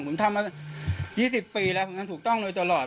ผมทำมา๒๐ปีแล้วผมทำถูกต้องโดยตลอด